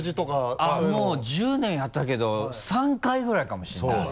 あっもう１０年やったけど３回ぐらいかもしれない。